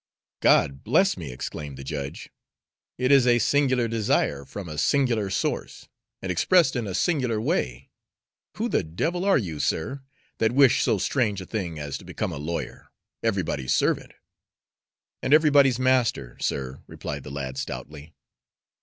"God bless me!" exclaimed the judge. "It is a singular desire, from a singular source, and expressed in a singular way. Who the devil are you, sir, that wish so strange a thing as to become a lawyer everybody's servant?" "And everybody's master, sir," replied the lad stoutly.